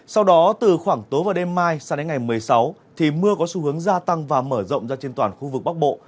sau đó từ khoảng tối và đêm mai sang đến ngày một mươi sáu thì mưa có xu hướng gia tăng và mở rộng ra trên toàn khu vực bắc bộ